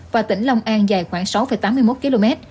và tỉnh long an dài khoảng sáu tám mươi một km